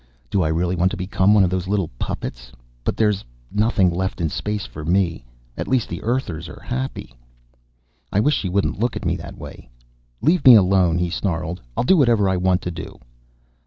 Do I really want to become one of those little puppets? But there's nothing left in space for me. At least the Earthers are happy. I wish she wouldn't look at me that way. "Leave me alone," he snarled. "I'll do whatever I want to do."